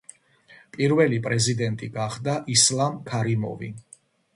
პირველი პრეზიდენტი გახდა ისლამ ქარიმოვი.